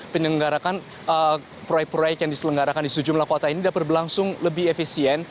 penyelenggarakan proyek proyek yang diselenggarakan di sejumlah kota ini dapat berlangsung lebih efisien